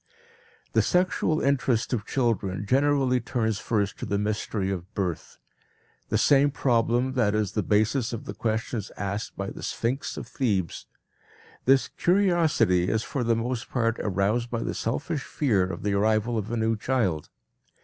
The sexual interest of children generally turns first to the mystery of birth the same problem that is the basis of the questions asked by the sphinx of Thebes. This curiosity is for the most part aroused by the selfish fear of the arrival of a new child.